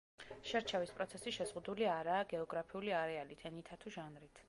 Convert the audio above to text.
შერჩევის პროცესი შეზღუდული არაა გეოგრაფიული არეალით, ენითა თუ ჟანრით.